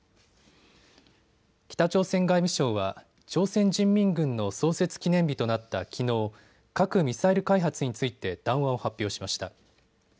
北朝鮮外務省は朝鮮人民軍の創設記念日となったきのう、核・ミサイル開発について談話を発表しました。